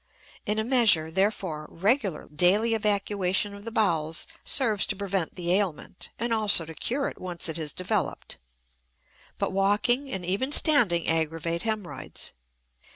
In a measure, therefore, regular, daily evacuation of the bowels serves to prevent the ailment, and also to cure it, once it has developed. But walking and even standing aggravate hemorrhoids.